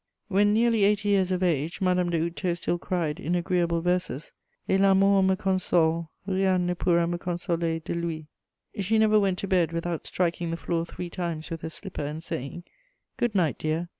When nearly eighty years of age, Madame de Houdetot still cried in agreeable verses: Et l'amour me console! Rien ne pourra me consoler de lui. She never went to bed without striking the floor three times with her slipper and saying, "Good night, dear!"